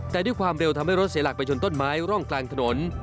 แต่ด้วยความเร็วทำให้รถเสียหลักไปชนต้นไม้ร่องกลางถนน